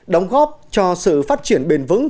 đóng góp cho sự phát triển bền vững